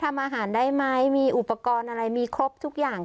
ทำอาหารได้ไหมมีอุปกรณ์อะไรมีครบทุกอย่างค่ะ